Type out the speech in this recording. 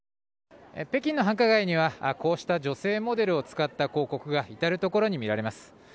北京の繁華街にはこうした女性モデルを使った広告が至るところに見られます。